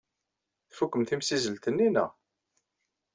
Tfukem timsizzelt-nni, naɣ?